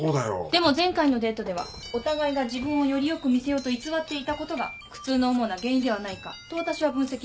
でも前回のデートではお互いが自分をより良く見せようと偽っていたことが苦痛の主な原因ではないかと私は分析しているの。